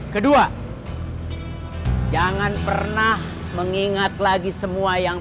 kedua jangan pernah mengingat lagi semua yang